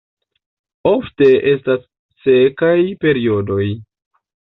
Ofte estas sekaj periodoj.